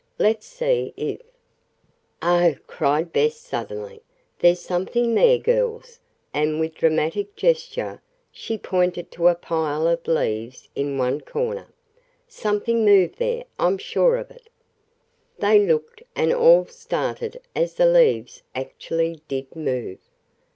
Let's see if " "Oh!" cried Bess suddenly. "There's something there, girls," and, with dramatic gesture, she pointed to a pile of leaves in one corner. "Something moved there, I'm sure of it!" They looked, and all started as the leaves actually did move.